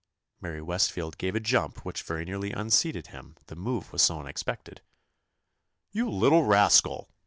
Mary Westfield gave a jump which very nearly unseated him, the move was so unexpected. "You little rascal!"